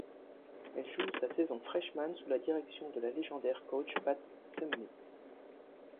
Elle joue sa saison freshman sous la direction de la légendaire coach Pat Summitt.